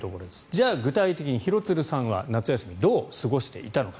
じゃあ、具体的に廣津留さんは夏休みどう過ごしていたのか。